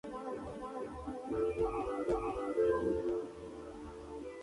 No habían sucesiones pacíficas sin oposición.